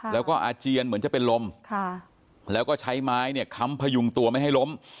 แล้วก็อาเจียนเหมือนจะเป็นลมแล้วก็ใช้ไม้เนี่ยค้ำพยุงตัวไม่ให้ล้ม